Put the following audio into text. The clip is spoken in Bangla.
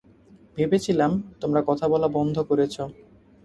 ভেবেছিলাম তোমরা কথা বলা বন্ধ করেছ।